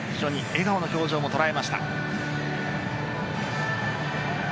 笑顔の表情も捉えました。